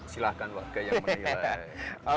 silahkan warga yang menilai